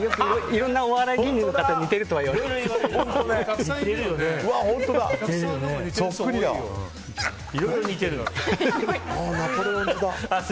いろんなお笑い芸人に似ているとはいわれます。